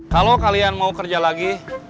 kalau kalian mau kerja lagi